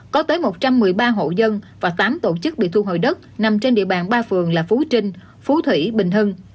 có tới một trăm một mươi ba hộ dân và tám tổ chức bị thu hồi đất nằm trên địa bàn ba phường là phú trinh phú thủy bình hưng